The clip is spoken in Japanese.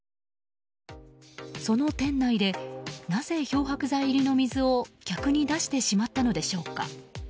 その店内でなぜ漂白剤入りの水を客に出してしまったのでしょうか。